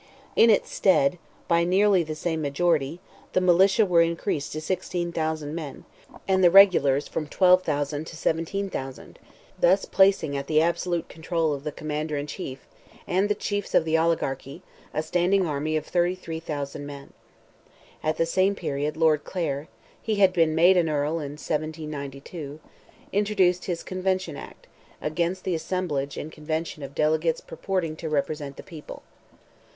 In its stead, by nearly the same majority, the militia were increased to 16,000 men, and the regulars from 12,000 to 17,000—thus placing at the absolute control of the Commander in Chief, and the chiefs of the oligarchy, a standing army of 33,000 men. At the same period, Lord Clare (he had been made an earl in 1792), introduced his Convention Act, against the assemblage in convention of delegates purporting to represent the people.